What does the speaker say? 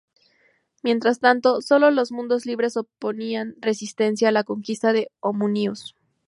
Mientras tanto, sólo los mundos libres oponían resistencia a la conquista de Omnius.